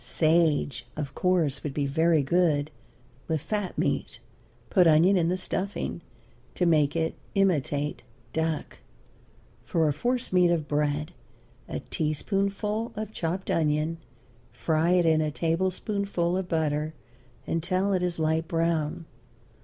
Sage, of course, would be very good with fat meat; put onion in the stuffing to make it imitate duck. For a force meat of bread, a teaspoonful of chopped onion; fry it in a tablespoonful of butter until it is light brown.